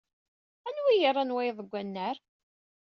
Anwa i yernan wayeḍ deg wannar?